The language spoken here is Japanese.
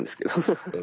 ハハハ。